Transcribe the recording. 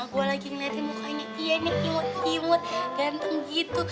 gue lagi ngeliatin mukanya iyan yang imut imut ganteng gitu